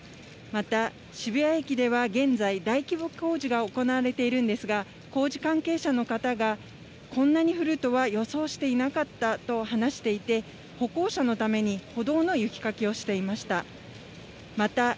また、渋谷駅では現在、大規模工事が行われているんですが、工事関係者の方が、こんなに降るとは予想していなかったと話していて、歩行者のために歩道の雪かきをしていました。